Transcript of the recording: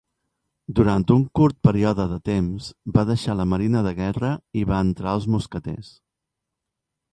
Durant un curt període de temps va deixar la marina de guerra i va entrar als mosqueters.